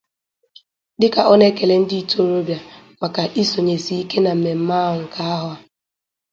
Dịka ọ na-ekele ndị ntorobịa maka isonyesi ike na mmemme ahụ nke ahọ a